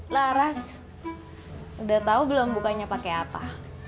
laras udah tahu belum bukanya pakai apa